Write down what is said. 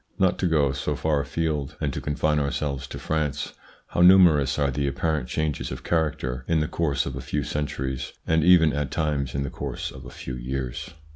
Not to go so far afield, and to confine ourselves to France, how numerous are the apparent changes of character in the course of a few centuries, and even at times in the course of a few years